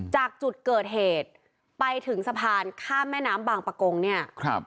จากจุดเกิดเหตุไปถึงสะพานข้ามแม่น้ำบางประกงเนี่ยครับ